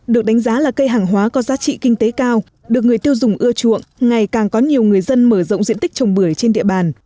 được đánh giá là cây hàng hóa có giá trị kinh tế cao được người tiêu dùng ưa chuộng ngày càng có nhiều người dân mở rộng diện tích trồng bưởi trên địa bàn